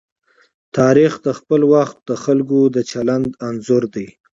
تاریخ د خپل وخت د خلکو د چلند انځور دی.